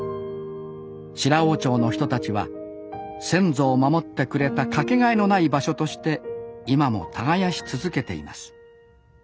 白王町の人たちは先祖を守ってくれた掛けがえのない場所として今も耕し続けています